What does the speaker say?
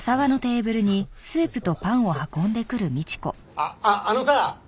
あっあっあのさ！